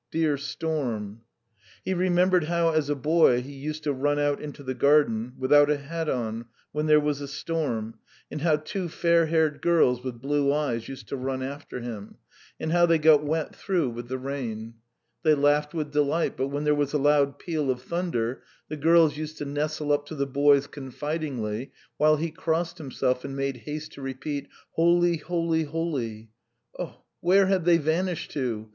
"Dear storm!" He remembered how as a boy he used to run out into the garden without a hat on when there was a storm, and how two fair haired girls with blue eyes used to run after him, and how they got wet through with the rain; they laughed with delight, but when there was a loud peal of thunder, the girls used to nestle up to the boy confidingly, while he crossed himself and made haste to repeat: "Holy, holy, holy. ..." Oh, where had they vanished to!